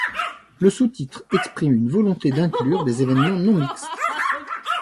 Le sous-titre exprime une volonté d'inclure des évènements non-mixtes.